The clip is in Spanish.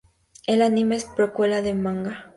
El anime es precuela del manga.